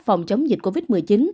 phòng chống dịch covid một mươi chín